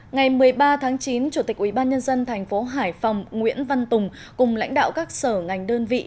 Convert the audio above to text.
ngày một mươi ba tháng chín chủ tịch ubnd tp hải phòng nguyễn văn tùng cùng lãnh đạo các sở ngành đơn vị